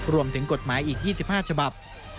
รวมถึงกฎหมายอีก๒๕ฉบับ